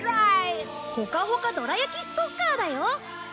ホカホカどら焼きストッカーだよ！